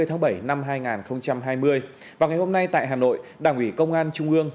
hai mươi tháng bảy năm hai nghìn hai mươi vào ngày hôm nay tại hà nội đảng ủy công an trung ương